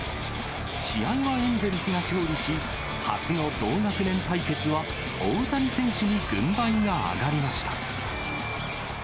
試合はエンゼルスが勝利し、初の同学年対決は、大谷選手に軍配が上がりました。